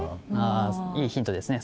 あいいヒントですね